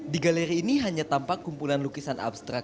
di galeri ini hanya tampak kumpulan lukisan abstrak